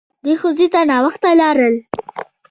دوی ښوونځي ته ناوخته لاړل!